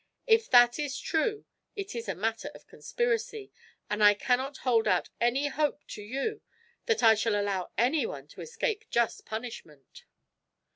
If that is true, it is a matter of conspiracy, and I cannot hold out any hope to you that I shall allow anyone to escape just punishment."